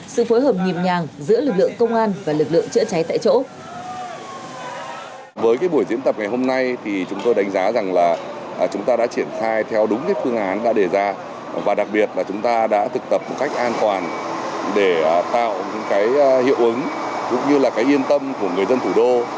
sự phối hợp nhịp nhàng giữa lực lượng công an và lực lượng chữa cháy tại chỗ